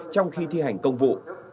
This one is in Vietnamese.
trong khi thi hành công vụ